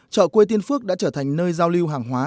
chợ quê tiên phước đã trở thành nơi giao lưu hàng hóa